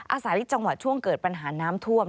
อาศัยจังหวะช่วงเกิดปัญหาน้ำท่วม